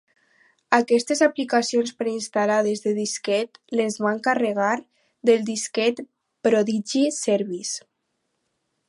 Aquestes aplicacions preinstal·lades de disquet, les van carregar del disquet Prodigy Service.